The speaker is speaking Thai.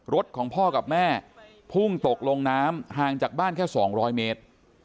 รถของพ่อกับแม่พุ่งตกลงน้ำห่างจากบ้านแค่๒๐๐เมตร